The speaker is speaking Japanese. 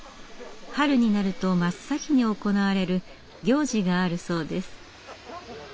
春になると真っ先に行われる行事があるそうです。